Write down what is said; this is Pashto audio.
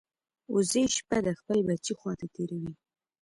وزې شپه د خپل بچي خوا ته تېروي